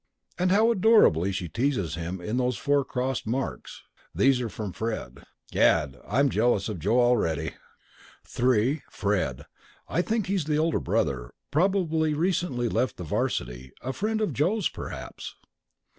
And how adorably she teases him in those four crosses marked 'These are from Fred.' Gad, I'm jealous of Joe already! "3. Fred. I think he's the older brother; probably recently left the 'varsity; a friend of Joe's, perhaps.